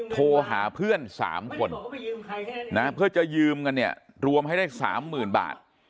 โทรหาเพื่อน๓คนนะเพื่อจะยืมกันเนี่ยรวมให้ได้๓๐๐๐บาท